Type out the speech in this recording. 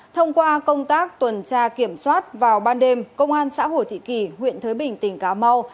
thông qua công tác tuần tra kiểm soát vào ban đêm công an xã hồ thị kỳ huyện thới bình tỉnh cà mau